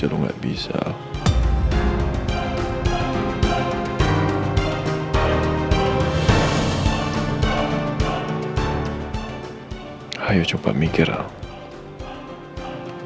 arvind juga bikin percobaan white and stolen tiga illos di pejunya